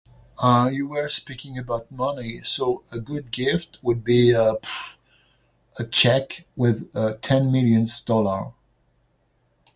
Uh, you weres thinking about money, so the good gift would be the check with, uh, ten millions dollar.